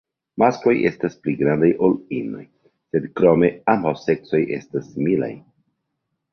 Maskloj estas pli grandaj ol inoj, sed krome ambaŭ seksoj estas similaj.